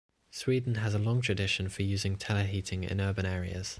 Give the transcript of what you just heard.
Sweden has a long tradition for using teleheating in urban areas.